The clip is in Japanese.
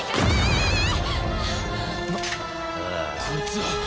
こいつは！